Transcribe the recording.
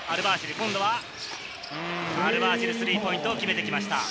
アルバーシル、スリーポイントを決めてきました。